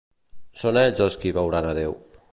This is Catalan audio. Són ells els qui veuran a Déu.